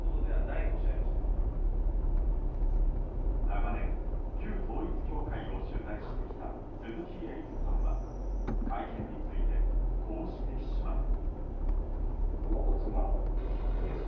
長年、旧統一教会を取材してきた鈴木エイトさんは会見について、こう指摘します。